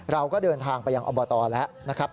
เราก็เดินทางไปยังอบตแล้วนะครับ